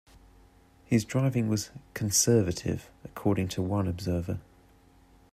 His driving was "conservative" according to one observer.